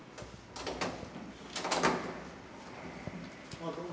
あどうも。